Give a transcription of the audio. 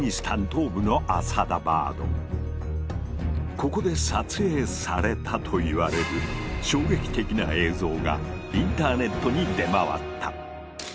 ここで撮影されたといわれる衝撃的な映像がインターネットに出回った。